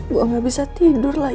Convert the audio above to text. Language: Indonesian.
gue gak bisa tidur lagi